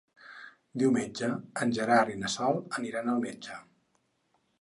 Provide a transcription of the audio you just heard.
Diumenge en Gerard i na Sol aniran al metge.